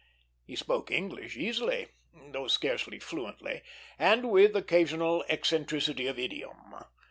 He spoke English easily, though scarcely fluently, and with occasional eccentricity of idiom.